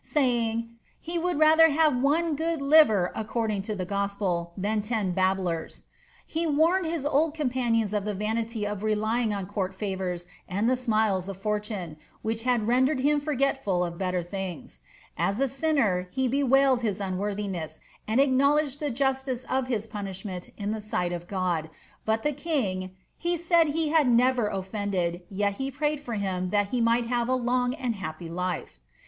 saying, he would ralhcr have one good liver, according U> the g<«pel, ttuu ini babblers,"* He warned his old cunipanions i»f the vanity of relying iin court favour and the smUes of fortune, which had rendered him forgstr ful of briler tbings. As a sinnei, he bewailed his uuworthiness, and a» tnowledged the justice of his punishment in the ei|^it of Gud, but tht Iwiiig " he said he had never olTciided, yet he prayed for him that he mi^ht have a long and happy life."